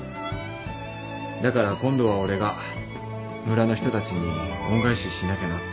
だから今度は俺が村の人たちに恩返ししなきゃなって。